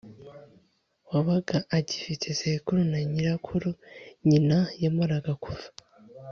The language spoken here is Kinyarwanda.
wabaga agifite sekuru na nyirakuru, nyina yamaraga kuva